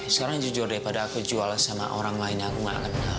sekarang jujur daripada aku jual sama orang lain yang aku gak kenal